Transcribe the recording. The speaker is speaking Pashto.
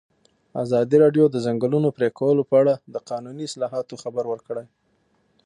ازادي راډیو د د ځنګلونو پرېکول په اړه د قانوني اصلاحاتو خبر ورکړی.